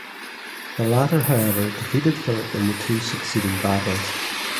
The latter however defeated Philip in the two succeeding battles.